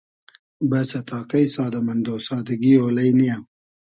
بئسۂ تا کݷ سادۂ مئندۉ ، سادگی اۉلݷ نییۂ